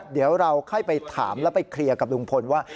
เดี๋ยวเราค่อยไปถามแล้วไปเคลียร์กับลุงพลว่า